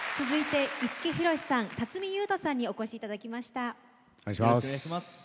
続いて、五木ひろしさん辰巳ゆうとさんにお越しいただきました。